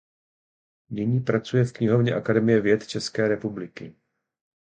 Nyní pracuje v knihovně Akademie věd České republiky.